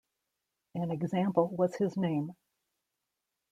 An example was his name.